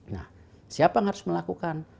nah siapa yang harus melakukan